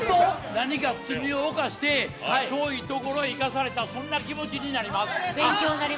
何か罪を犯して遠いところに行かされた、そんな気持ちになります。